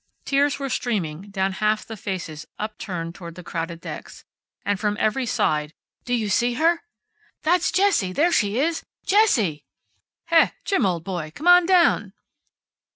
Tears were streaming down half the faces upturned toward the crowded decks. And from every side: "Do you see her?" "That's Jessie. There she is! Jessie!" "Heh! Jim, old boy! Come on down!"